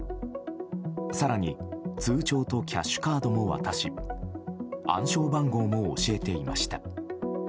更に通帳とキャッシュカードも渡し暗証番号も教えていました。